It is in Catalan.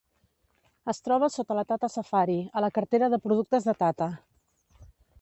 Es troba sota de Tata Safari a la cartera de productes de Tata.